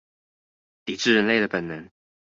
抵制人類的本能